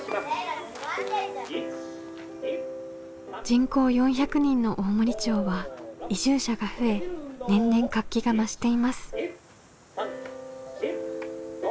人口４００人の大森町は移住者が増え年々活気が増しています。